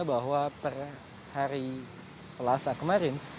bahwa per hari selasa kemarin